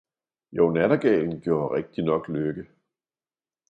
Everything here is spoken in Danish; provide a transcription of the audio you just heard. Jo, nattergalen gjorde rigtignok lykke!